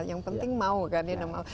yang penting mau kan